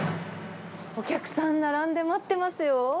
お客さん並んで待ってますよ。